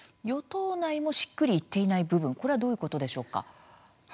与党内もしっくりいっていない部分というのはどういうことでしょうか。